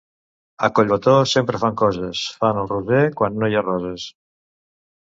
A Collbató sempre fan coses: fan el Roser quan no hi ha roses.